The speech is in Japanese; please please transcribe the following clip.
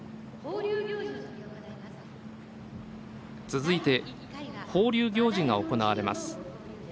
続いて放流行事が行われます。